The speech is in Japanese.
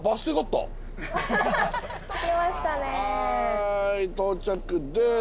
はい到着です。